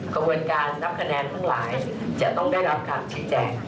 กระบวนการนับคะแนนทั้งหลายจะต้องได้รับคำชี้แจง